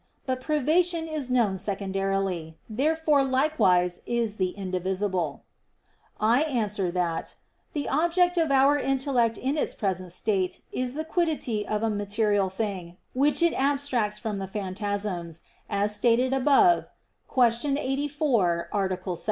But privation is known secondarily. Therefore likewise is the indivisible. I answer that, The object of our intellect in its present state is the quiddity of a material thing, which it abstracts from the phantasms, as above stated (Q. 84, A. 7).